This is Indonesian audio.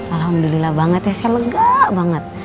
alhamdulillah banget ya saya lega banget